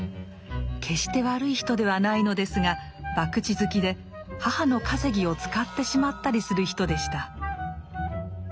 決して悪い人ではないのですが博打好きで母の稼ぎを使ってしまったりする人でした。